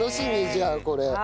じゃあこれ。